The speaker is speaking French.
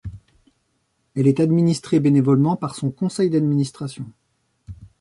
Elle est administrée bénévolement par son conseil d'administration.